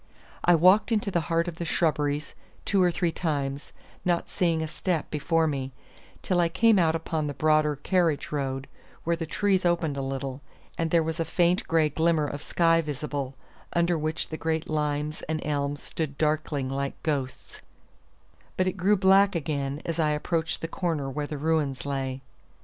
I walked into the heart of the shrubberies two or three times, not seeing a step before me, till I came out upon the broader carriage road, where the trees opened a little, and there was a faint gray glimmer of sky visible, under which the great limes and elms stood darkling like ghosts; but it grew black again as I approached the corner where the ruins lay.